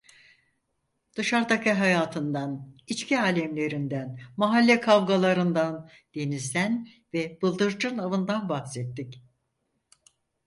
Dışardaki hayatından, içki alemlerinden, mahalle kavgalarından, denizden ve bıldırcın avından bahsettik.